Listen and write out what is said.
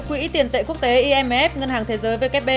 quỹ tiền tệ quốc tế imf ngân hàng thế giới vkp